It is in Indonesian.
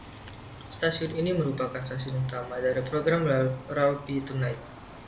Stasiun ini merupakan stasiun utama dari program "Ralphie Tonight".